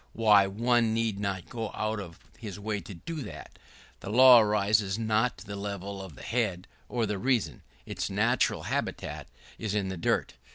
Why, one need not go out of his way to do that. This law rises not to the level of the head or the reason; its natural habitat is in the dirt.